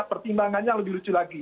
pertimbangannya lebih lucu lagi